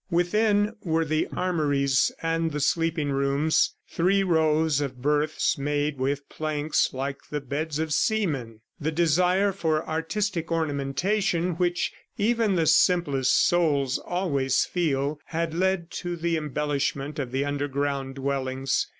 Within were the armories and the sleeping rooms three rows of berths made with planks like the beds of seamen. The desire for artistic ornamentation which even the simplest souls always feel, had led to the embellishment of the underground dwellings.